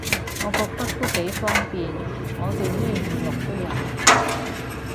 我覺得都幾方便，我哋咩娛樂都有